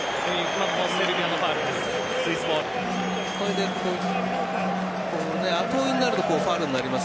今はセルビアのファウルです。